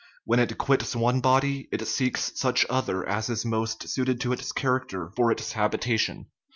When it quits one body it seeks such other as is most suited to its character for its habitation.